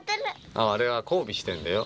あれは交尾してるんだよ。